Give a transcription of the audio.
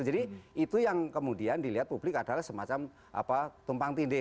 jadi itu yang kemudian dilihat publik adalah semacam tumpang tindih